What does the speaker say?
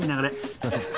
すいません。